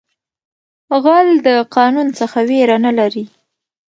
غل د قانون څخه ویره نه لري